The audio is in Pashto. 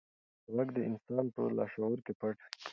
غږ د انسان په لاشعور کې پټ وي.